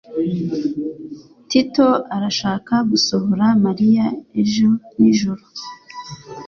Tito arashaka gusohora Mariya ejo nijoro.